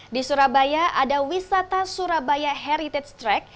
di surabaya ada wisata surabaya heritage track